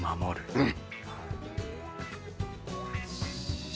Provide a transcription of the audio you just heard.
うん！